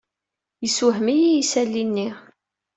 Yessewhem-iyi yisali-nni.